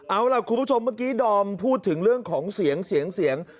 เอาล่ะคุณผู้ชมเมื่อกี้ดอมพูดถึงเรื่องของเสียงเสียง